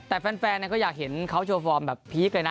แต่แฟนก็อยากเห็นเขาโชว์ฟอร์มแบบพีคเลยนะ